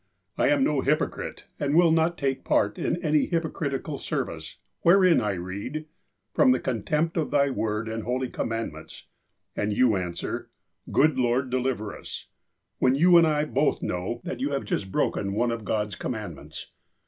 I am no hypocrite, and will not take part in any hypo critical service wherein I read :' From the contempt of Thy word, and holy commandments,' and you answer, 'Good Lord, deliver us,' AAiien you and I both know that 118 BEHIND THE WALLS 119 you have just broken one of God's commandments.